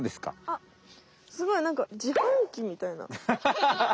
あっすごいなんか自販機みたいな。